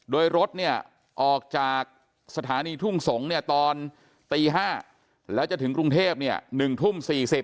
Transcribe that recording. โดยรถออกจากสถานีทุ่งสงศ์ตอนตี๕แล้วจะถึงกรุงเทพฯ๑ทุ่ม๔๐